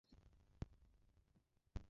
কোন প্রমাণ নেই, সাক্ষী নেই।